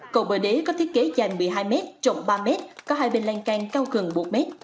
cầu bờ đế có thiết kế dài một mươi hai mét trọng ba mét có hai bên lan can cao gần một mét